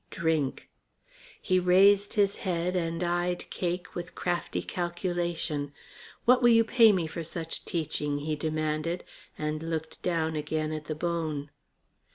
Drink! He raised his head and eyed Cake with crafty calculation. "What will you pay me for such teaching?" he demanded, and looked down again at the bone.